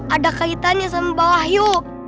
ada kaitannya sama wahyu